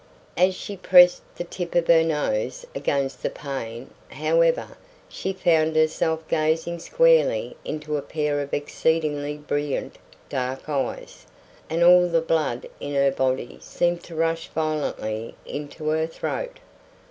As she pressed the tip of her nose against the pane, however, she found herself gazing squarely into a pair of exceedingly brilliant dark eyes; and all the blood in her body seemed to rush violently into her throat.